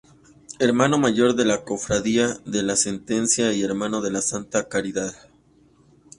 Hermano mayor de la Cofradía de la Sentencia y hermano de la Santa Caridad.